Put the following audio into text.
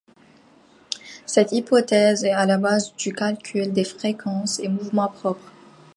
Cette hypothèse est à la base du calcul des fréquences et mouvements propres.